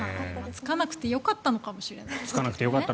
つかなくてよかったのかもしれませんね。